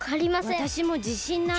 わたしもじしんない。